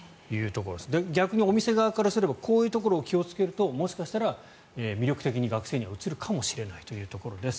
逆にお店側からすればこういうところを気をつけるともしかしたら魅力的に学生には映るかもしれないということです。